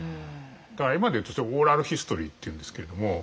だから今でいうとオーラルヒストリーっていうんですけれども。